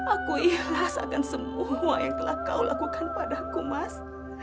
aku ikhlas akan semua yang telah kau lakukan padaku mas